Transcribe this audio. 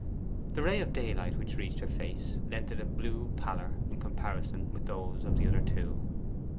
The ray of daylight which reached her face lent it a blue pallor in comparison with those of the other two.